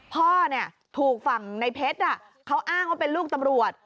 พ่อถูกฝั่งในเพชรเขาอ้างว่าเป็นลูกตำรวจ